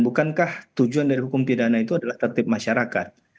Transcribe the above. bukankah tujuan dari hukum pidana itu adalah tertib masyarakat